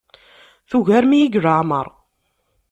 Tugarem-iyi deg leɛmeṛ.